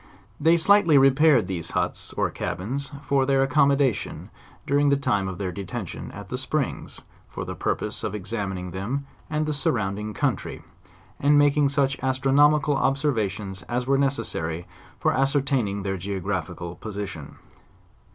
They slightly repaired these huts, or cabins, for tneir ac commodation during the time of their detention at the springs, for the purpose of examining them and the surrounding coun try; and making such astronomical observations as were ne cessary for ascertaining their geographical position.